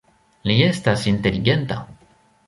Li estas inteligenta.